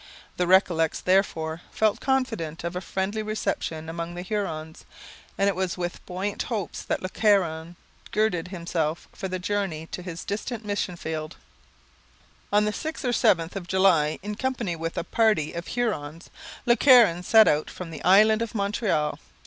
The Recollets, therefore, felt confident of a friendly reception among the Hurons; and it was with buoyant hopes that Le Caron girded himself for the journey to his distant mission field. On the 6th or 7th of July, in company with a party of Hurons, Le Caron set out from the island of Montreal.